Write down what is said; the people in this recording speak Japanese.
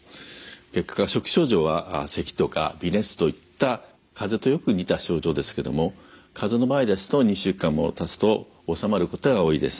結核の初期症状はせきとか微熱といったかぜとよく似た症状ですけどもかぜの場合ですと２週間もたつと治まることが多いです。